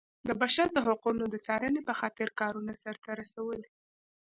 د بشر د حقونو د څارنې په خاطر کارونه سرته رسولي.